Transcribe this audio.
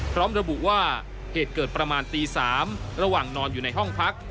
พร้อมระบุว่าเหตุเกิดประมาณตี๓ระหว่างนอนอยู่ในห้องพัก